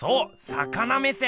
魚目線！